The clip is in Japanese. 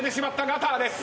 ガターです。